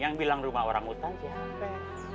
yang bilang rumah orang hutan ya ampet